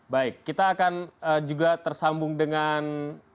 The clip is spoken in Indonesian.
baik kita akan juga tersambung dengan